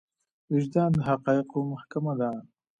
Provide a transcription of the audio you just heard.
وجدان د حقايقو محکمه ده.